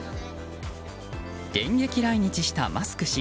電撃来日したマスク氏。